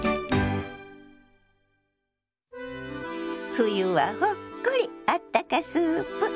「冬はほっこりあったかスープ」。